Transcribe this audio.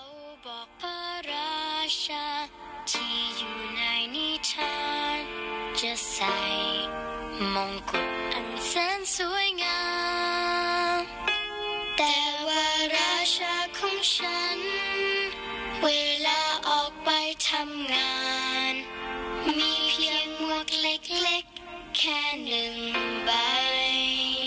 ว่าราชาของฉันเวลาออกไปทำงานมีเพียงมวกเล็กแค่หนึ่งใบ